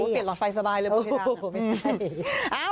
เปลี่ยนรอดไฟสบายเลยไม่ได้